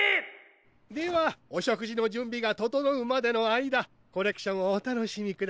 ではおしょくじのじゅんびがととのうまでのあいだコレクションをおたのしみください。